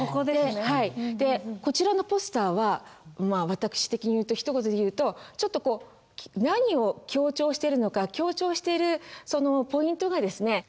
でこちらのポスターは私的に言うとひと言で言うとちょっとこう何を強調してるのか強調しているそのポイントがですね